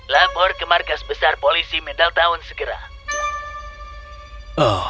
lapor ke markas besar polisi medaltown segera